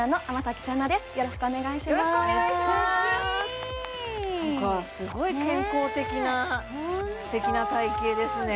美しいすごい健康的なすてきな体形ですね